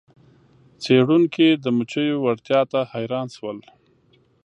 څیړونکي د مچیو وړتیا ته حیران شول.